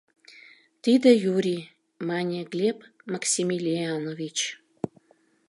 — Тиде Юрий, — мане Глеб Максимилианович.